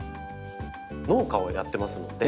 農家をやってますので。